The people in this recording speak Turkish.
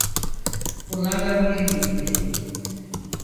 Bunlardan birini itti.